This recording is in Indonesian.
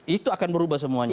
itu akan berubah semuanya